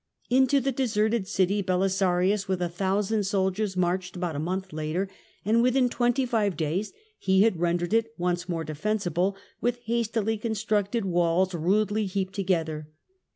Into the deserted city Belisarius, with a thousand soldiers, marched about a month later, and within twenty five days he had rendered it once more defens ible, with hastily constructed walls rudely heaped to gether.